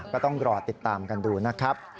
ก็ต้องรอติดตามกันดูนะครับ